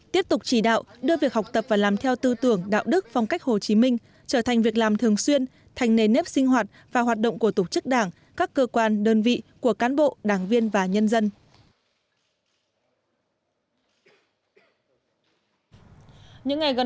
tiếp tục chỉ đạo đưa việc học tập và làm theo tư tưởng đạo đức phong cách hồ chí minh trở thành việc làm thường xuyên thành nề nếp sinh hoạt và hoạt động của tổ chức đảng các cơ quan đơn vị của cán bộ đảng viên và nhân dân